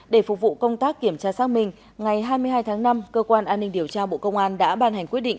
để phục vụ công tác kiểm tra xác minh ngày hai mươi hai tháng năm cơ quan an ninh điều tra bộ công an đã ban hành quyết định